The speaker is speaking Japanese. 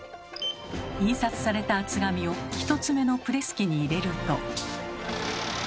印刷された厚紙を１つ目のプレス機に入れると。